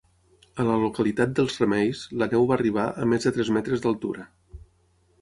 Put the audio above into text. A la localitat d'Els Remeis la neu va arribar a més de tres metres d'altura.